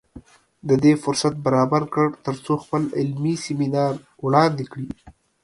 د دې فرصت برابر کړ تر څو خپل علمي سیمینار وړاندې کړي